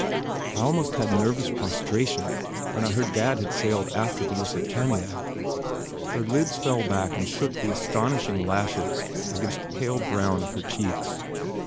I almost had nervous prostration, when I heard Dad had sailed after the Lusitania!" Her lids fell and shook the astonishing lashes against the pale brown of her cheeks.